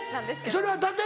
それはだて